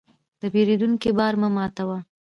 د پیرودونکي باور مه ماتوه.